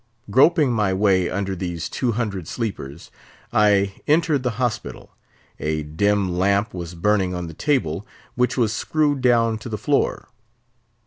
Groping my way under these two hundred sleepers, I entered the hospital. A dim lamp was burning on the table, which was screwed down to the floor.